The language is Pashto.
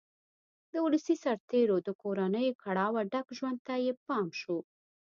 د ولسي سرتېرو د کورنیو کړاوه ډک ژوند ته یې پام شو